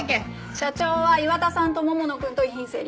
社長は岩田さんと桃野くんと遺品整理です。